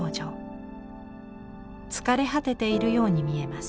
疲れ果てているように見えます。